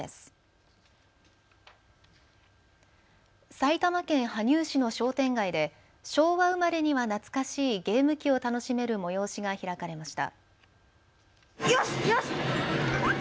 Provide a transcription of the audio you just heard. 埼玉県羽生市の商店街で昭和生まれには懐かしいゲーム機を楽しめる催しが開かれました。